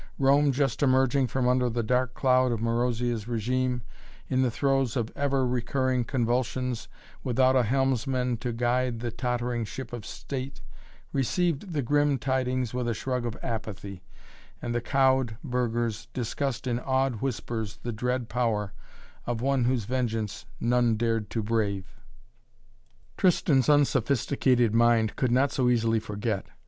Rome, just emerging from under the dark cloud of Marozia's regime, in the throes of ever recurring convulsions, without a helmsman to guide the tottering ship of state, received the grim tidings with a shrug of apathy; and the cowed burghers discussed in awed whispers the dread power of one whose vengeance none dared to brave. Tristan's unsophisticated mind could not so easily forget.